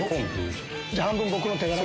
じゃあ半分僕の手柄。